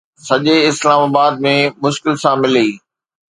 سڄي اسلام آباد ۾ مشڪل سان ملي